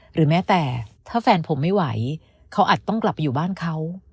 หรือแม้แต่ถ้าแฟนผมไม่ไหวเขาอาจต้องกลับไปอยู่บ้านเขา